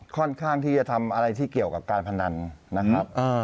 ค่อนข้างที่จะทำอะไรที่เกี่ยวกับการพนันนะครับ